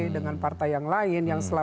dengan partai yang lain